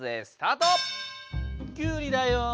きゅうりだよ。